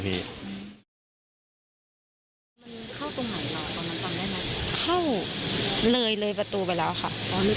มันเข้าตรงไหนละก่อนมันต่ำได้มั้ย